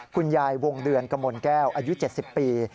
คุณยายวงเดือนกมลแก้วอายุ๗๐ปี